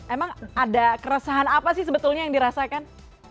emang ada keresahan apa sih sebetulnya yang dirasakan